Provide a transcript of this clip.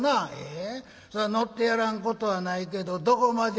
「えそら乗ってやらんことはないけどどこまで行てくれる？」。